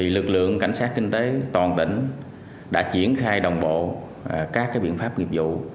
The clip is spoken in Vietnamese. lực lượng cảnh sát kinh tế toàn tỉnh đã triển khai đồng bộ các biện pháp nghiệp vụ